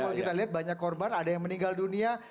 kalau kita lihat banyak korban ada yang meninggal dunia